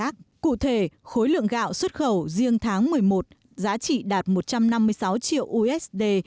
cụ thể khối lượng gạo xuất khẩu riêng tháng một mươi một giá trị đạt một trăm năm mươi sáu triệu usd